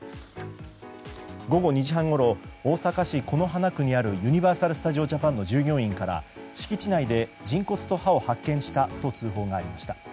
午後２時半ごろ大阪市此花区にあるユニバーサル・スタジオ・ジャパンの従業員から敷地内で人骨と歯を発見したと通報がありました。